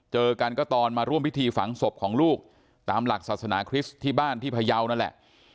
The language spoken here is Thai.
เจอกันก็ตอนมาร่วมพิธีฝังศพของลูกตามหลักศาสนาคริสต์ที่บ้านที่พยาวนั่นแหละ